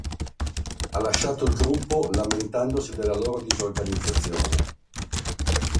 Ha lasciato il gruppo lamentandosi della loro disorganizzazione.